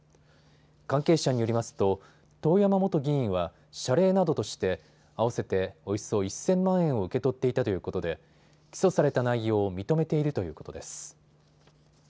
関係者によりますと遠山元議員は謝礼などとして合わせておよそ１０００万円を受け取っていたということで起訴された内容を認めているということです。